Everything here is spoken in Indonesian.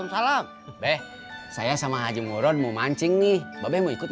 dmake ni statements untuk bikin untuk di idbwm tipe corte